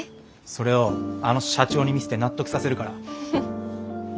それをあの社長に見せて納得させるから。